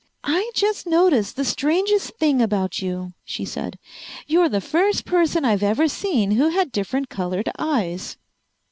"I just noticed the strangest thing about you," she said. "You're the first person I've ever seen who had different colored eyes!"